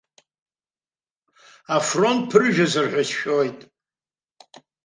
Афронт ԥыржәазар ҳәа сшәоит.